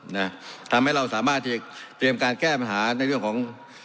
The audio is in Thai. นะทำให้เราสามารถที่จะเตรียมการแก้ปัญหาในเรื่องของ